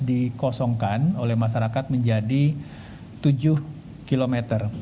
dikosongkan oleh masyarakat menjadi tujuh km